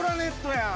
やん！